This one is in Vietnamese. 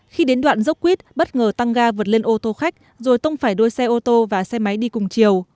khi đến đoạn dốc quýt bất ngờ tăng ga vượt lên ô tô khách rồi tông phải đôi xe ô tô và xe máy đi cùng chiều